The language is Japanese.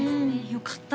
よかった